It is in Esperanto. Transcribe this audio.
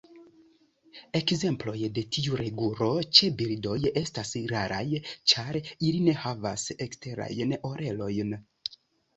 Ekzemploj de tiu regulo ĉe birdoj estas raraj, ĉar ili ne havas eksterajn orelojn.